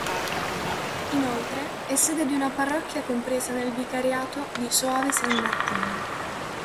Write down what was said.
Inoltre, è sede di una parrocchia compresa nel vicariato di Soave-San Martino.